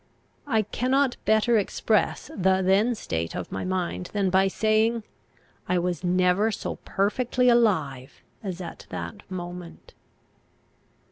I cannot better express the then state of my mind than by saying, I was never so perfectly alive as at that moment.